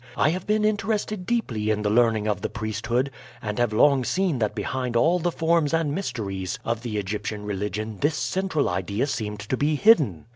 I have been interested deeply in the learning of the priesthood, and have long seen that behind all the forms and mysteries of the Egyptian religion this central idea seemed to be hidden.